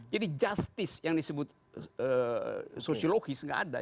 jadi justice yang disebut sosiologis tidak ada